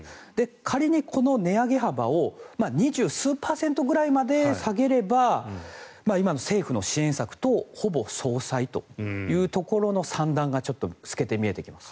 仮にこの値上げ幅を２０数パーセントぐらいまで下げれば今の政府の支援策とほぼ相殺というところの算段が透けて見えてきます。